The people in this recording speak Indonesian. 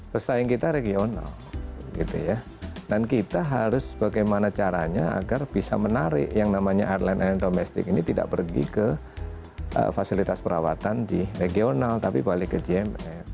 pesaing kita regional gitu ya dan kita harus bagaimana caranya agar bisa menarik yang namanya airline air domestik ini tidak pergi ke fasilitas perawatan di regional tapi balik ke gmf